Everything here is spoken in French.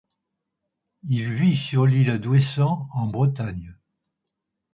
Il vit sur l'île d'Ouessant en Bretagne.